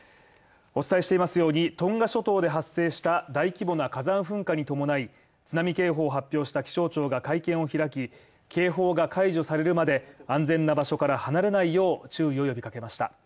お伝えしていますように、トンガ諸島で発生した大規模な火山噴火に伴い、津波警報を発表した気象庁が会見を開き、警報が解除されるまで安全な場所から離れないよう注意を呼びかけました。